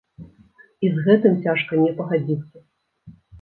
І з гэтым цяжка не пагадзіцца.